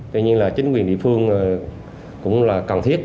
tuy nhiên là chính quyền địa phương cũng là cần thiết